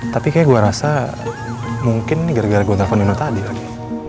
tapi kayak gue rasa mungkin gara gara gue telepon nino tadi lagi